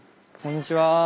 こんにちは。